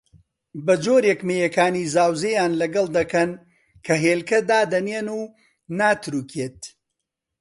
بەجۆرێک مێیەکانی زاوزێیان لەگەڵ دەکەن کە هێلکە دادەنێن و ناتروکێت